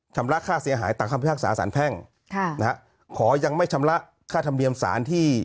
ชำระค่าเสียหายตามคำพิพากษาสารแพ่งค่ะนะฮะขอยังไม่ชำระค่าธรรมเนียมสารที่